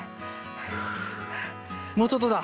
ふうもうちょっとだ。